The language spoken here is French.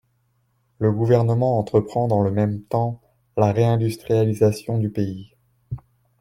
Le Gouvernement entreprend, dans le même temps, la réindustrialisation du pays.